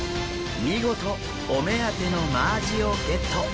見事お目当てのマアジをゲット。